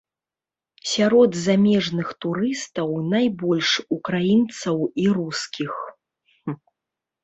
Сярод замежных турыстаў найбольш украінцаў і рускіх.